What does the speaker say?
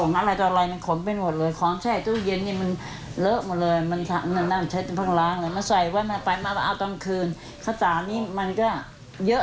มันก็เอาไปตอนกลางคืนไม่ไม่ว่าหรอกไปเถอะ